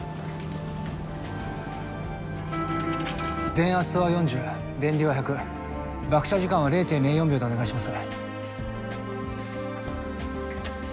電圧は４０電流は１００ばく射時間は０．０４秒でお願いします。